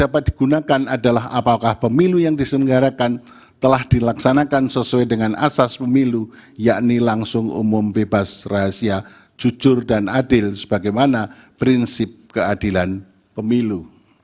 apakah tentara pemerintah pemerintah kedua pemerintah ke delapan belas yang telah dilaksanakan sesuai dengan alasan pemilu yaitu langsung umum bebas rahasia jujur dan adil bagaimana prinsip keadilan pemilu